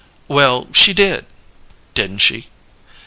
"Well, she did, didn't she?"